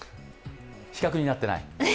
比較になってない？